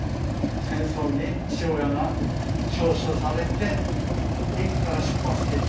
戦争に父親が召集されて駅から出発していったんですね。